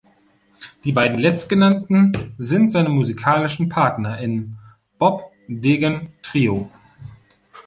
Die beiden Letztgenannten sind seine musikalischen Partner im Bob Degen Trio.